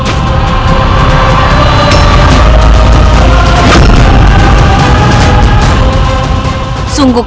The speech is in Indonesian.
kau tidak hanya mempermalukan nama besar ayahmu